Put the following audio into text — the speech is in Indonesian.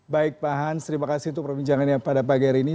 baik pak hans terima kasih untuk perbincangannya pada pagi hari ini